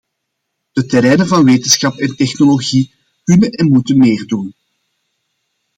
De terreinen van wetenschap en technologie kunnen en moeten meer doen.